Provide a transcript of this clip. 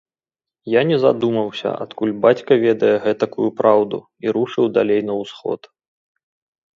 Я не задумаўся, адкуль бацька ведае гэтакую праўду, і рушыў далей на ўсход.